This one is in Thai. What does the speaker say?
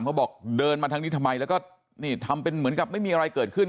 บอกเดินมาทางนี้ทำไมแล้วก็นี่ทำเป็นเหมือนกับไม่มีอะไรเกิดขึ้น